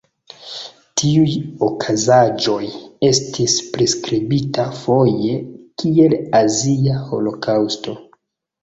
Tiuj okazaĵoj estis priskribita foje kiel Azia Holokaŭsto.